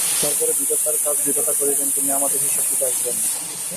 তার পরে বিধাতার কাজ বিধাতা করিবেন, তিনি আমাদের হিসাব দিতে আসিবেন না।